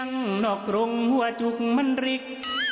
ยังหน็กลงหัวจุกมันริก